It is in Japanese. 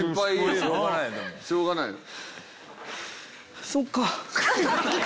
しょうがないの。